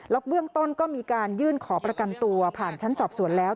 เบื้องต้นก็มีการยื่นขอประกันตัวผ่านชั้นสอบสวนแล้ว